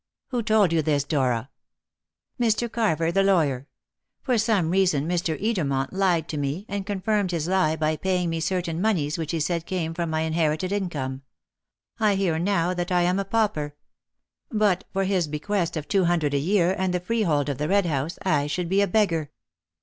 "Who told you this, Dora?" "Mr. Carver, the lawyer. For some reason Mr. Edermont lied to me, and confirmed his lie by paying me certain moneys which he said came from my inherited income. I hear now that I am a pauper. But for his bequest of two hundred a year and the freehold of the Red House, I should be a beggar."